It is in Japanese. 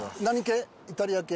イタリア系？